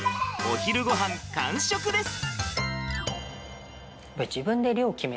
お昼ごはん完食です！